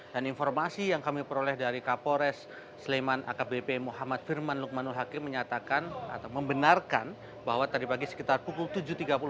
dan informasi yang kami peroleh dari kapolres sleman akbp muhammad firman lukmanul hakim menyatakan atau membenarkan bahwa tadi pagi sekitar pukul tujuh